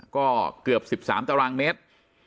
ก็เกือบ๑๓ตารางเมตร